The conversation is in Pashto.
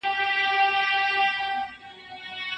مسیحا هیڅ معجزه نه کوي.